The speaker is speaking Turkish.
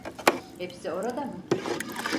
Hepsi orada mı?